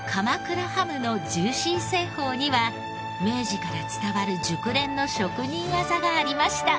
ハムのジューシー製法には明治から伝わる熟練の職人技がありました。